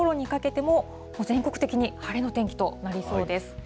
昼ごろにかけても、全国的に晴れの天気となりそうです。